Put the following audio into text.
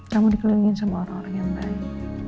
kamu dikelilingin sama orang orang yang baik